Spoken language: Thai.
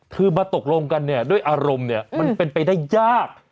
คือมาตกลงกันเนี่ยด้วยอารมณ์เนี่ยมันเป็นไปได้ยาก